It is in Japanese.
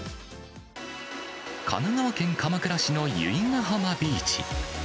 神奈川県鎌倉市の由比ガ浜ビーチ。